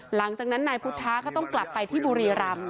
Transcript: หลังจากนั้นนายพุทธะก็ต้องกลับไปที่บุรีรำ